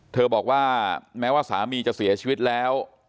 บอกว่าแม้ว่าสามีจะเสียชีวิตแล้ว